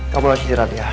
kamu lagi radya